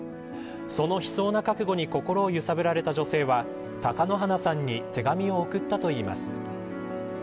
その悲壮な覚悟に心を揺さぶられた女性は貴乃花さんに手紙を送ったといいます。